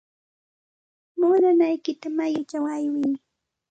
Muudanaykita mayuchaw aywiy.